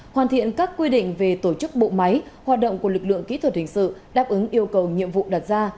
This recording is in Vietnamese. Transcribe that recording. hoàn thiện các quy định về tổ chức bộ máy hoạt động của lực lượng kỹ thuật hình sự đáp ứng yêu cầu nhiệm vụ đặt ra